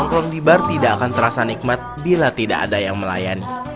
nongkrong di bar tidak akan terasa nikmat bila tidak ada yang melayani